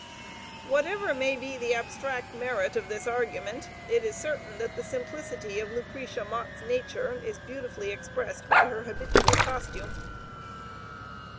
Whatever may be the abstract merit of this argument, it is certain that the simplicity of Lucretia Mott's nature, is beautifully expressed by her habitual costume.